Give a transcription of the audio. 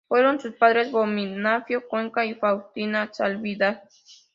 Fueron sus padres Bonifacio Cuenca y Faustina Saldívar.